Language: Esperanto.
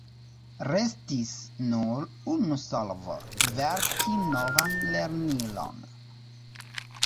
Restis nur unu solvo: verki novan lernilon.